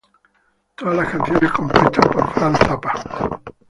Todas las canciones compuestas por Frank Zappa.